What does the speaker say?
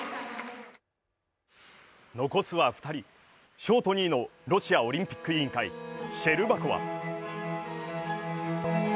残すは２人、ショート２位のロシアオリンピック委員会・シェルバコワ。